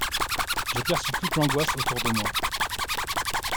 J'ai perçu toute l'angoisse autour de moi.